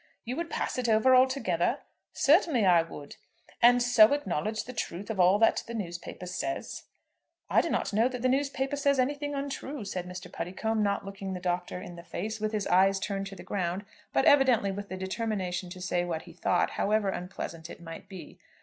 "You would pass it over altogether?" "Certainly I would." "And so acknowledge the truth of all that the newspaper says." "I do not know that the paper says anything untrue," said Mr. Puddicombe, not looking the Doctor in the face, with his eyes turned to the ground, but evidently with the determination to say what he thought, however unpleasant it might be.